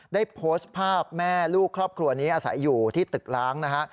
ได้โพสต์ภาพแม่ลูกครอบครัวนี้อาศัยอยู่ที่ตึกล้างนะฮะ